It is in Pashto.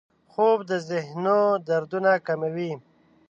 خوب د ذهنو دردونه کموي